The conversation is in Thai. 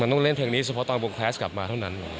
ต้องเล่นเพลงนี้เฉพาะตอนวงแคสกลับมาเท่านั้น